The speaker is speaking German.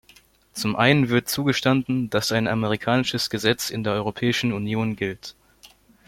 Zum einen wird zugestanden, dass ein amerikanisches Gesetz in der Europäischen Union gilt.